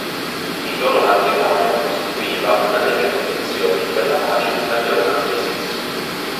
Il loro matrimonio costituiva una delle condizioni della Pace di Cateau-Cambrésis.